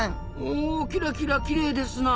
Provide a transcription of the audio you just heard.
おキラキラきれいですな！